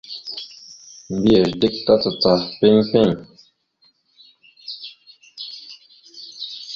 Mbiyez dik tacacaha piŋ piŋ.